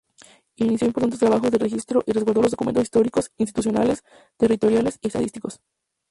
Inició importantes trabajos de registro y resguardo de documentos históricos, institucionales, territoriales, y estadísticos.